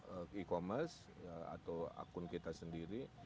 e commerce atau akun kita sendiri